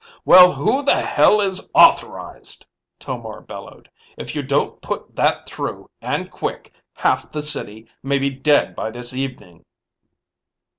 "Well, who the hell is authorized," Tomar bellowed. "If you don't put that through and quick, half the city may be dead by this evening."